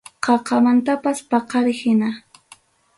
Qaqamantapas paqariq hina.